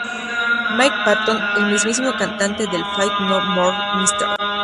Mike Patton el mismísimo cantante de Faith No More, Mr.